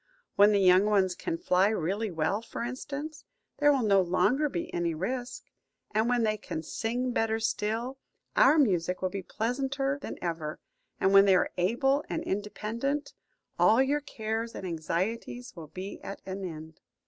When the young ones can fly really well, for instance, there will no longer be any risk; and when they can sing better still, our music will be pleasanter than ever; and when they are able and independent, all your cares and anxieties will be at an end.